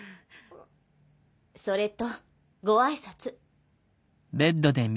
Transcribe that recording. それとご挨拶。